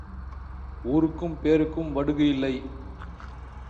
ஊருக்கும் பேருக்கும் வடுகு இல்லை.